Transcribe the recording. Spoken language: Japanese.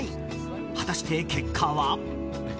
果たして、結果は？